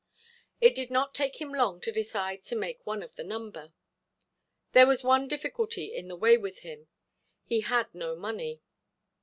It did not take him long to decide to make one of the number. There was one difficulty in the way with him—he had no money.